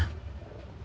tidak ada apa apa